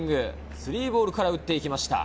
３ボールから打っていきました。